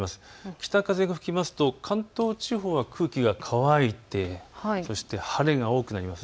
北風が吹くと関東地方は空気が乾いてそして晴れが多くなります。